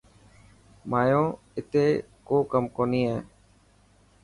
مايو اتي ڪو ڪم ڪوني هي.